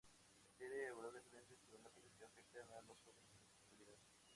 La serie abordó diferentes problemáticas que afectan a los jóvenes en la actualidad.